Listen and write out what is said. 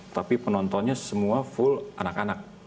tapi penontonnya semua full anak anak